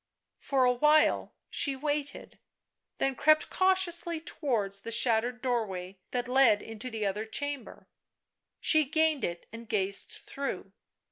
For a while she waited, then crept cautiously towards the shattered doorway that led into the other chamber. She gained it and gazed through.